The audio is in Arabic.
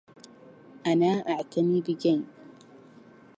أنا أعتني بجيم.